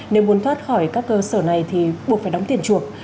nếu muốn thoát khỏi các cơ sở này thì buộc phải đóng tiền chuộc